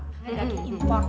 ya lagi impor